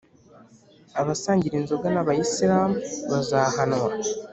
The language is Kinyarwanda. a basangira inzoga n’abayisilamu bazahanwa